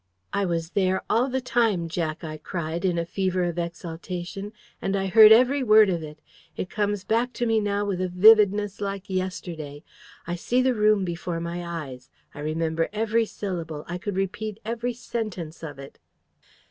"I was there all the time, Jack," I cried, in a fever of exaltation: "and I heard every word of it! It comes back to me now with a vividness like yesterday. I see the room before my eyes. I remember every syllable: I could repeat every sentence of it."